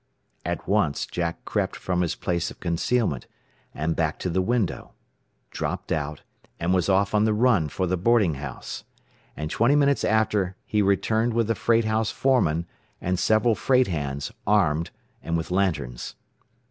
At once Jack crept from his place of concealment, and back to the window; dropped out, and was off on the run for the boarding house. And twenty minutes after he returned with the freight house foreman and several freight hands, armed, and with lanterns.